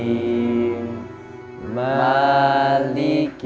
kamu tolong bantu ya